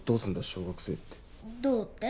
小学生ってどうって？